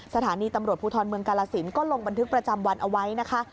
สถานีตำรวจภูทรเมืองกาลสินก็ลงบันทึกประจำวันเอาไว้นะคะ